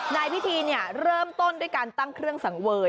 ในพิธีเริ่มต้นด้วยการตั้งเครื่องสังเวย